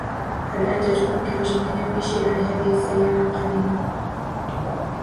هل أنت تفكر جديا في شراء هذه السيارة القديمة؟